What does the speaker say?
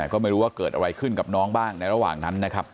ก็ไม่รู้ว่าเกิดอะไรขึ้นกับน้องบ้างในระหว่างนั้นนะครับ